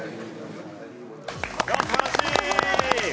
素晴らしい！